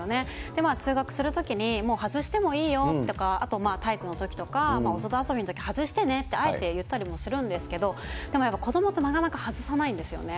で、通学するときに、外してもいいよとか、あと体育のときとか、お外遊びのときに外してねって、あえて言ったりもするんですけれども、でもなんか、子どもってなかなか外さないんですよね。